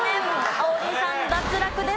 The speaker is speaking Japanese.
王林さん脱落です。